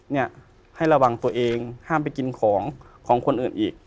เนี่ยให้ระวังตัวเองห้ามไปกินของของคนอื่นอีก